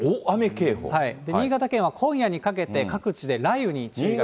新潟県は今夜にかけて、各地で雷雨に注意が必要。